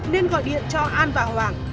nên gọi điện cho an và hoàng